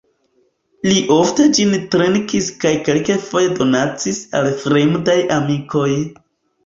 Li ofte ĝin trinkis kaj kelkfoje donacis al fremdaj amikoj.